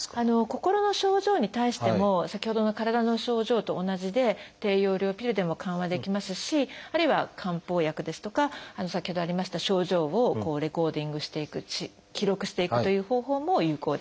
心の症状に対しても先ほどの体の症状と同じで低用量ピルでも緩和できますしあるいは漢方薬ですとか先ほどありました症状をレコーディングしていく記録していくという方法も有効です。